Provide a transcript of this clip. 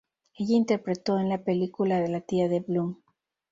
Ella interpretó en la película a la Tía de Bloom.